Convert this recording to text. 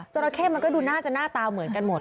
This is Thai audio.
ราเข้มันก็ดูน่าจะหน้าตาเหมือนกันหมด